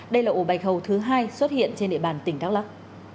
đây là ổ bạch hầu thứ hai xuất hiện trên địa bàn tỉnh đắk lắc